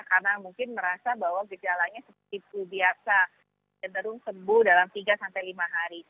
karena mungkin merasa bahwa gejalanya seperti biasa cenderung sembuh dalam tiga sampai lima hari